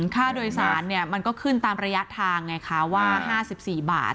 ค่าโดยสารเนี่ยมันก็ขึ้นตามระยะทางไงคะว่า๕๔บาท